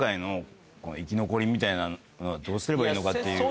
みたいなのはどうすればいいのかっていう。